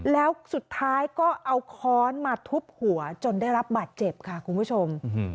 แล้วสุดท้ายก็เอาค้อนมาทุบหัวจนได้รับบาดเจ็บค่ะคุณผู้ชม